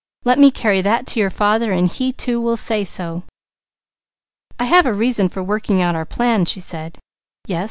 Let me carry that to your father, and he too will say so." "I have a reason for working out our plan," she said. "Yes?